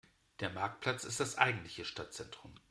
Der Marktplatz ist das eigentliche Stadtzentrum.